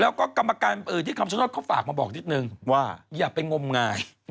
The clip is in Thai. แล้วก็กรรมการที่คำชโนธเขาฝากมาบอกนิดนึงว่าอย่าไปงมงาย